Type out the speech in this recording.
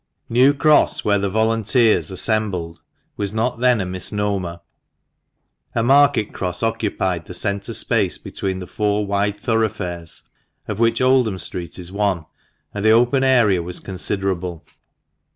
New Cross, where the volunteers assembled, was not then a misnomer. A market cross occupied the centre space between the four wide thoroughfares, of which Oldham Street is one; and the open area was considerable.